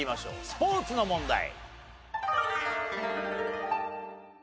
スポーツの問題。